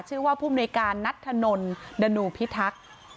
ชื่อว่าผู้มนุยการนัทธนนดนูพิทักษ์